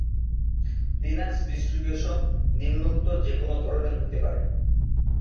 Linux distribution নিম্নোক্ত যে কোন ধরনের হতে পারেঃ